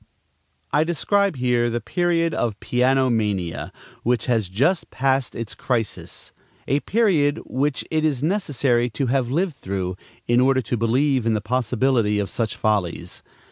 I describe here the period of piano mania, which has just passed its crisis; a period which it is necessary to have lived through, in order to believe in the possibility of such follies.